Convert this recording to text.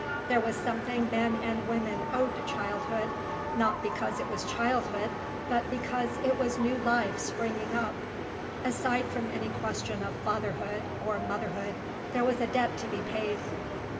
There was something men and women owed to childhood, not because it was childhood but because it was new life springing up. Aside from any question of fatherhood or motherhood there was a debt to be paid.